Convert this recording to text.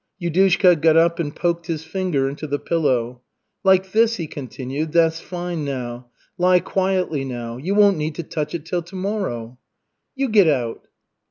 Yudushka got up and poked his finger into the pillow. "Like this," he continued. "That's fine now. Lie quietly, now. You won't need to touch it till tomorrow." "You get out!"